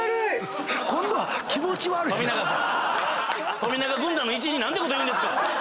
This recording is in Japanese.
今度は「気持ち悪い」冨永軍団の一員に何てこと言うんですか！